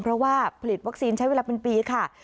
เพราะว่าผลิตวัคซีนใช้เวลาเป็นปีค่ะ